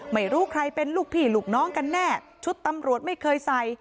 ไม่รู้ใครเป็นลูกพี่ลูกน้องกันแน่ชุดตำรวจไม่เคยใส่